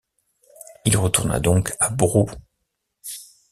Il retourna donc à Brou.